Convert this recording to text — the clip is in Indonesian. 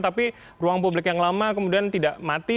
tapi ruang publik yang lama kemudian tidak mati